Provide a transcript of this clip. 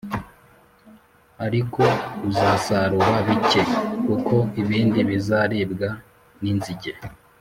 ariko uzasarura bike+ kuko ibindi bizaribwa n’inzige